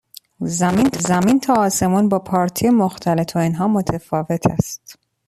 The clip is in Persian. زمین تا آسمون با پارتی مختلط و اینها متفاوت است.